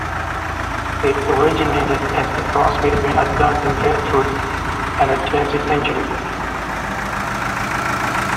It originated as a cross between a Duncan grapefruit and a Dancy tangerine.